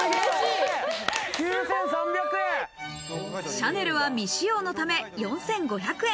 シャネルは未使用のため４５００円。